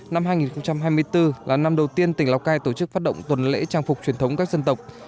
năm hai nghìn hai mươi bốn là năm đầu tiên tỉnh lào cai tổ chức phát động tuần lễ trang phục truyền thống các dân tộc